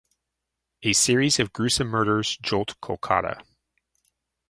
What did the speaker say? A series of gruesome murders jolt Kolkata.